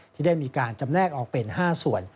ที่ได้มีการจำแนกออกเป็น๕ส่วน